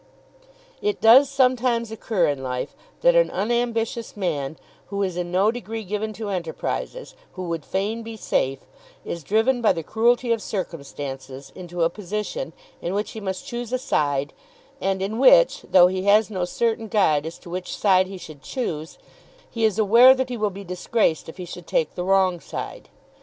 It does sometimes occur in life that an unambitious man, who is in no degree given to enterprises, who would fain be safe, is driven by the cruelty of circumstances into a position in which he must choose a side, and in which, though he has no certain guide as to which side he should choose, he is aware that he will be disgraced if he should take the wrong side.